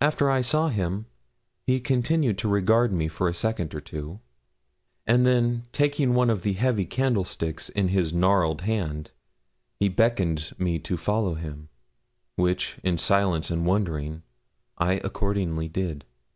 After I saw him, he continued to regard me for a second or two; and then, taking one of the heavy candlesticks in his gnarled hand, he beckoned me to follow him; which, in silence and wondering, I accordingly did.